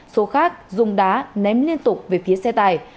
số khác dùng đá ném liên tục về phía xe tài